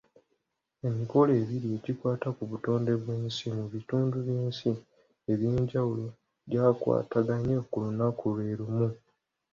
Emikolo ebiri egikwata butonde bw'ensi mu bitundu by'ensi eby'enjawulo gyakwataganye ku lunaku lwe lumu.